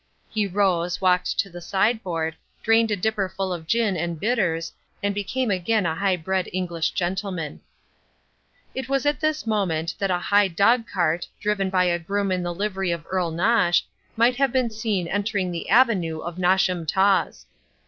He rose, walked to the sideboard, drained a dipper full of gin and bitters, and became again a high bred English gentleman. It was at this moment that a high dogcart, driven by a groom in the livery of Earl Nosh, might have been seen entering the avenue of Nosham Taws.